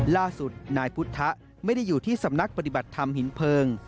ล่าสุดนายพุทธไม่ได้อยู่ที่สำนักปฏิบัติธรรมหินเพลิง